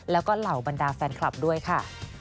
แล้วก็เหล่าบรรดาแฟนคลับด้วยค่ะ